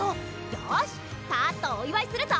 よしパッとお祝いするぞ！